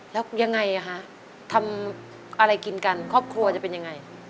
แล้วยังไงคะทำอะไรกินกันครอบครัวจะเป็นยังไง